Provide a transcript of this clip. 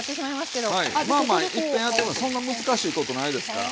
まあまあいっぺんやってそんな難しいことないですから。